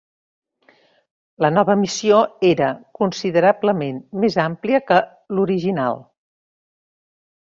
La nova missió era considerablement més àmplia que l'original.